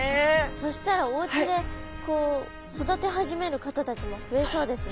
そしたらおうちでこう育て始める方たちも増えそうですね。